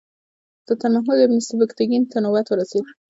سلطان محمود بن سبکتګین ته نوبت ورسېد.